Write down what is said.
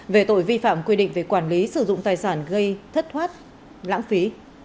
về tội vi phạm quy định về quản lý sử dụng tài sản gây thất thoát lãng phí